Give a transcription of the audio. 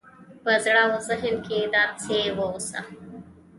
په زړه او ذهن کې داسې واوسه